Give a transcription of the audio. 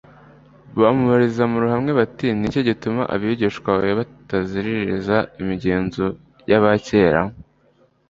bamubariza mu ruhame, bati: «Niki gituma abigishwa bawe bataziririza imigenzo y'aba kera,